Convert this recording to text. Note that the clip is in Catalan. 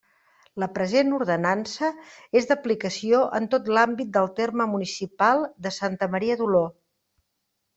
La present Ordenança és d'aplicació en tot l'àmbit del terme municipal de Santa Maria d'Oló.